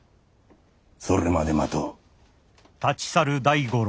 それまで待とう。